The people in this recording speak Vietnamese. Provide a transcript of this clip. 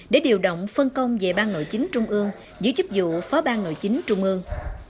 để điều động phân công về ban nội chính trung ương giữ chức vụ phó bang nội chính trung ương